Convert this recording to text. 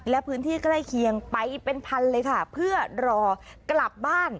และพื้นที่ใกล้เคียงไปเป็นพันเลยค่ะเพื่อรอกลับบ้าน